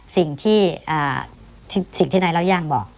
สิ่งที่สิ่งที่นายเล่าย่างบอก